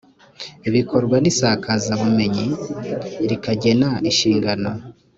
bikorwa nisakazabumenyi rikanagena inshingano